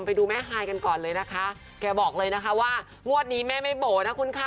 ไปดูแม่ฮายกันก่อนเลยนะคะแกบอกเลยนะคะว่างวดนี้แม่ไม่โบ๋นะคุณค่ะ